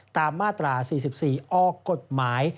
ตามมาตรา๔๔ออกกฎหมาย